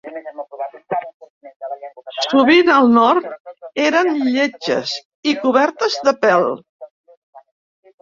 Sovint, al nord, eren lletges i cobertes de pèl.